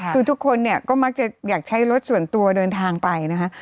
คือทุกคนเนี่ยก็มักจะอยากใช้รถส่วนตัวเดินทางไปนะคะ